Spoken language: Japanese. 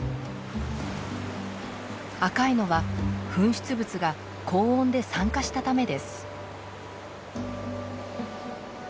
赤いのは噴出物が高温で酸化したためです。